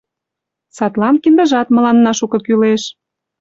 Садлан киндыжат мыланна шуко кӱлеш.